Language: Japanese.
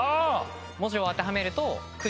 文字を当てはめると。